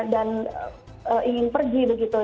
dan ingin pergi begitu